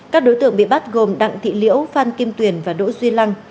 các đối tượng bị bắt gồm đặng thị liễu phan kim tuyền và đỗ duy lăng